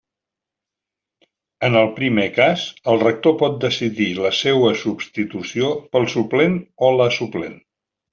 En el primer cas, el rector pot decidir la seua substitució pel suplent o la suplent.